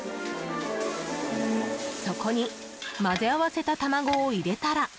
そこに混ぜ合わせた卵を入れたら。